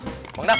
tidak ada apa